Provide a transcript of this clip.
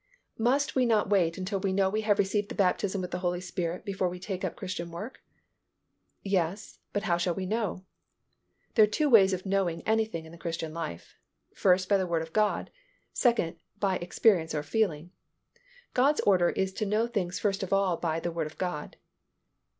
Must we not wait until we know we have received the baptism with the Holy Spirit before we take up Christian work? Yes, but how shall we know? There are two ways of knowing anything in the Christian life. First, by the Word of God; second, by experience or feeling. God's order is to know things first of all by the Word of God.